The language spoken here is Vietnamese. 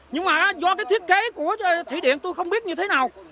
nhưng mà do cái thiết kế của thủy điện tôi không biết như thế nào